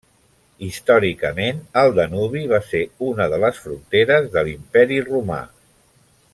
Històricament, el Danubi va ser una de les fronteres de l'Imperi romà.